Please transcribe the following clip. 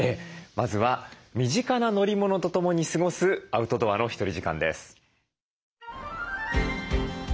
まずは身近な乗り物とともに過ごすアウトドアのひとり時間です。